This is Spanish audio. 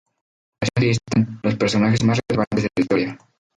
A continuación se listan los personajes más relevantes de la historia.